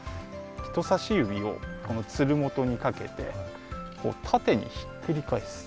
人さし指をこのつるもとにかけて縦にひっくり返す。